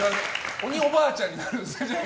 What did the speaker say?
鬼おばあちゃんになるんですね。